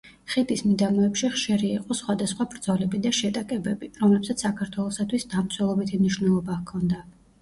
ხიდის მიდამოებში ხშირი იყო სახვადასხვა ბრძოლები და შეტაკებები, რომლებსაც საქართველოსათვის დამცველობითი მნიშვნელობა ჰქონდა.